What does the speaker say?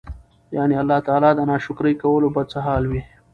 يعني الله تعالی د ناشکري کولو به څه حال وي؟!!.